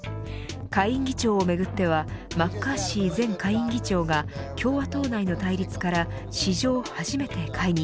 下院議長をめぐってはマッカーシー前下院議長が共和党内の対立から史上初めて解任。